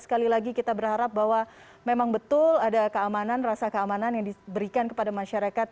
sekali lagi kita berharap bahwa memang betul ada keamanan rasa keamanan yang diberikan kepada masyarakat